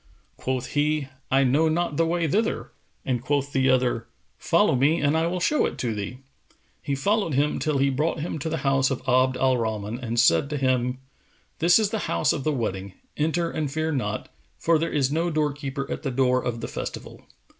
Quoth he, "I know not the way thither": and quoth the other, "Follow me and I will show it to thee." He followed him, till he brought him to the house of Abd al Rahman and said to him, "This is the house of the wedding; enter and fear not, for there is no doorkeeper at the door of the festival."